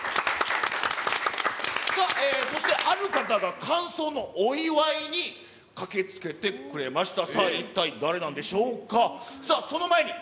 さあ、そしてある方が、完走のお祝いに駆けつけてくれました。